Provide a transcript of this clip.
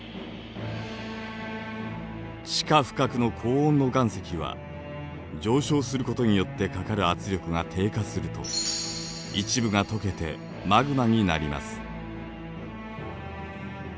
地下深くの高温の岩石は上昇することによってかかる圧力が低下すると一部がとけてマグマになります。